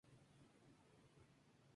Editorial Albatros, Argentina.